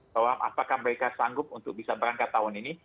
bahwa apakah mereka sanggup untuk bisa berangkat tahun ini